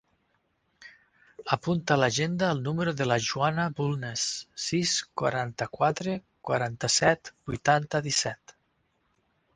Apunta a l'agenda el número de la Joana Bulnes: sis, quaranta-quatre, quaranta-set, vuitanta, disset.